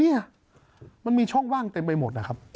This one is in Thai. เนี่ยมันมีช่องว่างเต็มไปหมดนะครับ